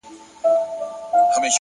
هره ورځ د نوي اغېز فرصت لري,